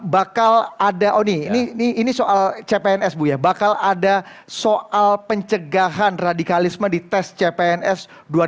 bakal ada oh ini soal cpns bu ya bakal ada soal pencegahan radikalisme di tes cpns dua ribu dua puluh